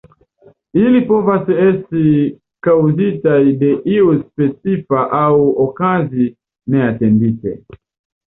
Ili povas esti kaŭzitaj de io specifa aŭ okazi neatendite.